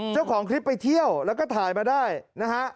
เจ้าของคลิปไปเที่ยวแล้วก็ถ่ายมาได้นะฮะ